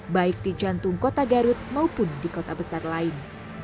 baik di jantung kota garut maupun di kota besar lain